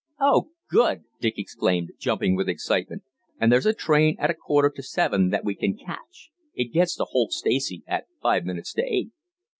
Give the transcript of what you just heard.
"Oh, good!" Dick exclaimed, jumping with excitement. "And there's a train at a quarter to seven that we can catch; it gets to Holt Stacey at five minutes to eight."